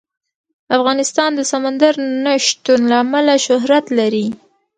افغانستان د سمندر نه شتون له امله شهرت لري.